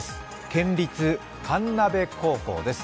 県立神辺高校です。